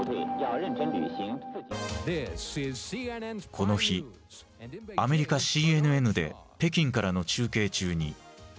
この日アメリカＣＮＮで北京からの中継中に事件が起こった。